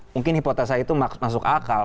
mungkin hipotesa itu masuk akal